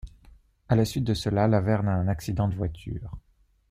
À la suite de cela Lavern a un accident de voiture.